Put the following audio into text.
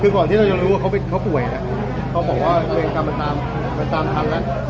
คือก่อนที่เราจะรู้ว่าเขาป่วยเนี่ยเขาบอกว่าตัวเองกลับมาตามทันแล้ว